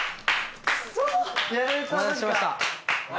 お待たせしました。